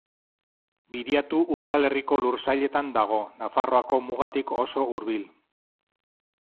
Biriatu udalerriko lursailetan dago, Nafarroako mugatik oso hurbil.